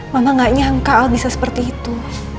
mama gak nyangka kalau bisa seperti itu